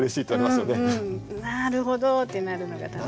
「なるほど！」ってなるのが楽しい。